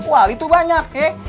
wali tuh banyak ya